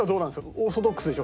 オーソドックスでしょ？